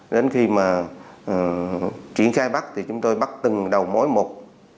đến khi mà triển khai bắt thì chúng tôi bắt từng đầu mối một